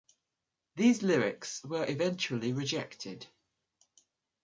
These lyrics were eventually rejected.